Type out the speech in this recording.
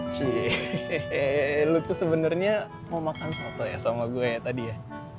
cilu tuh sebenernya mau makan soto ya sama gue tadi ya